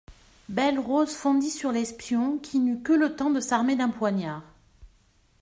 Belle-Rose fondit sur l'espion, qui n'eut que le temps de s'armer d'un poignard.